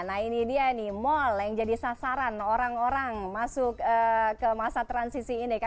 nah ini dia nih mal yang jadi sasaran orang orang masuk ke masa transisi ini